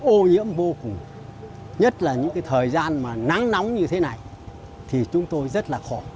ô nhiễm vô cùng nhất là những cái thời gian mà nắng nóng như thế này thì chúng tôi rất là khổ